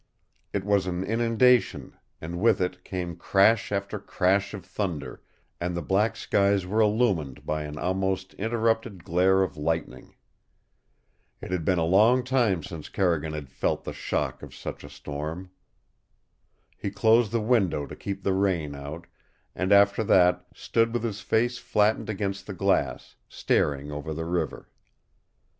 It was an inundation, and with it came crash after crash of thunder, and the black skies were illumined by an almost uninterrupted glare of lightning. It had been a long time since Carrigan had felt the shock of such a storm. He closed the window to keep the rain out, and after that stood with his face flattened against the glass, staring over the river.